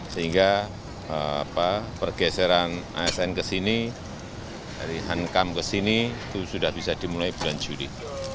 sehingga pergeseran asn kesini dari hankam kesini itu sudah bisa dimulai bulan juli